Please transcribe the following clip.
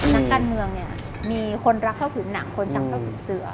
นักการเมืองมีคนรักเท่าถึงหนังคนชักเท่าถึงเสือ